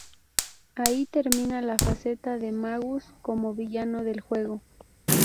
Ahí termina la faceta de Magus como villano del Juego.